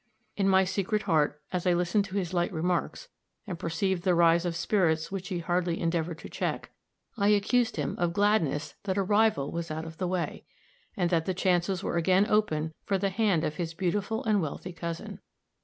In my secret heart, as I listened to his light remarks, and perceived the rise of spirits which he hardly endeavored to check, I accused him of gladness that a rival was out of the way, and that the chances were again open for the hand of his beautiful and wealthy cousin.